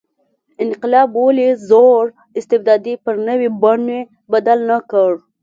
انقلاب ولې زوړ استبداد پر نوې بڼې بدل نه کړ.